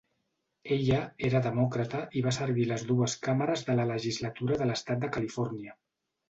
Ella era demòcrata i va servir a les dues càmeres de la Legislatura de l"estat de Califòrnia.